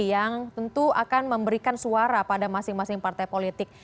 yang tentu akan memberikan suara pada masing masing partai politik